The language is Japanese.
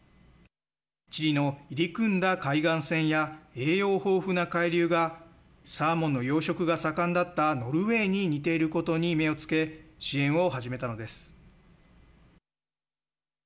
チリの入り組んだ海岸線や栄養豊富な海流がサーモンの養殖が盛んだったノルウェーに似ていることに目をつけ支援を始めたのです。